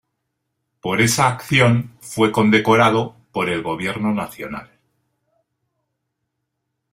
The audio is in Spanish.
Por esa acción fue condecorado por el gobierno nacional.